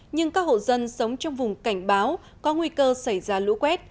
nhưng các hộ dân sống trong vùng cảnh báo có nguy cơ xảy ra lũ quét